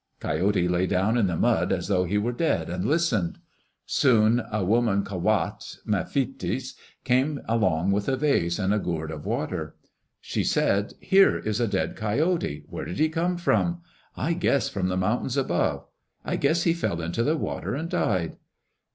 Coyote lay down in the mud as though he were dead and listened. Soon a woman ka wate (mephitis) came along with a vase and a gourd for water. She said, "Here is a dead coyote. Where did he come from? I guess from the mountains above. I guess he fell into the water and died."